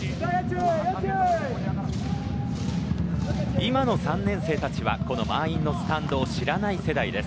今の３年生たちはこの満員のスタンドを知らない世代です。